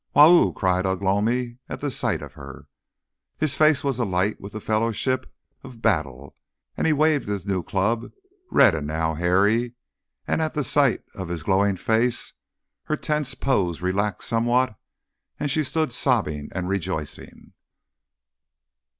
"Wau!" cried Ugh lomi at the sight of her, his face alight with the fellowship of battle, and he waved his new club, red now and hairy; and at the sight of his glowing face her tense pose relaxed somewhat, and she stood sobbing and rejoicing.